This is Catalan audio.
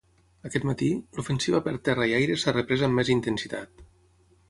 Aquest matí, l’ofensiva per terra i aire s’ha reprès amb més intensitat.